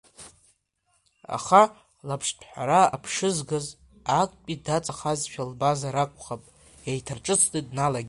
Аха лаԥшҭәҳәара аԥшьызгаз актәи даҵахазшәа лбазар акәхап, еиҭарҿыцны дналагеит…